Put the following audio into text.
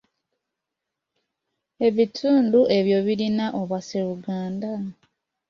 Ebitudu ebyo birina Obwasseruganda?